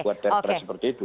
buat terperas seperti itu